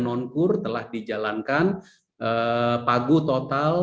nonkur telah dijalankan pagu total